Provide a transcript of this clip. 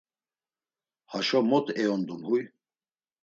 Haşo mot eondum huy?